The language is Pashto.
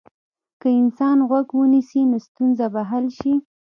که انسان غوږ ونیسي، نو ستونزه به حل شي.